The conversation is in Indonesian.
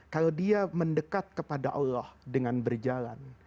kalau dia mendekat kepada allah dengan berjalan